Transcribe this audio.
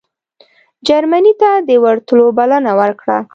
جرمني ته د ورتلو بلنه ورکړه.